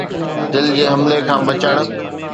دل جي حملي کان بچڻ